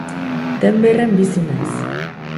Denberren bizi naiz